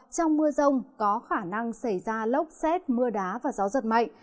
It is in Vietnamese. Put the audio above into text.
trong mưa rông có khả năng xảy ra lốc xét mưa đá và gió giật mạnh